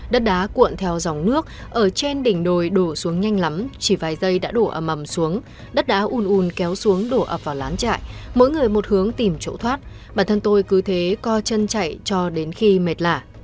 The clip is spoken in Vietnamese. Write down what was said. đất đá cuộn theo dòng nước ở trên đỉnh đồi đổ xuống nhanh lắm chỉ vài giây đã đổ ậm xuống đất đá un un kéo xuống đổ ập vào lán trại mỗi người một hướng tìm chỗ thoát bản thân tôi cứ thế co chân chạy cho đến khi mệt lả